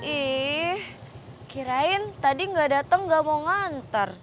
ih kirain tadi nggak datang nggak mau nganter